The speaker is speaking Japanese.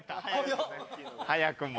早くも。